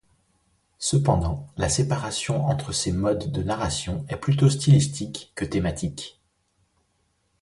Cependant, la séparation entre ces modes de narration est plutôt stylistique que thématique.